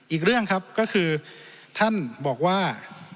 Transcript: อีกเรื่องครับก็คือท่านบอกว่า